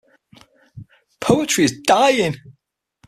Poetry is dying.